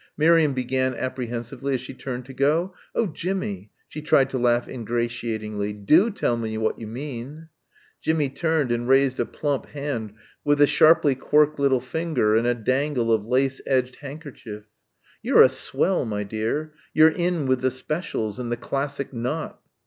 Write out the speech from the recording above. Miriam began apprehensively as she turned to go. "Oh, Jimmie " she tried to laugh ingratiatingly. "Do tell me what you mean?" Jimmie turned and raised a plump hand with a sharply quirked little finger and a dangle of lace edged handkerchief. "You're a swell, my dear. You're in with the specials and the classic knot."